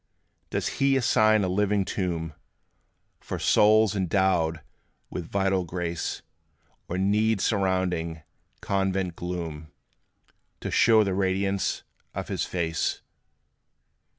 Does He assign a living tomb For souls, endowed with vital grace; Or need surrounding convent gloom, To show the radiance of his face?